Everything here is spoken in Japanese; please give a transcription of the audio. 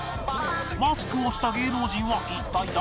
マスクをした芸能人は一体誰？